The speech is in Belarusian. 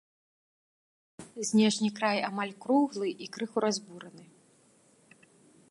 Знешні край амаль круглы і крыху разбураны.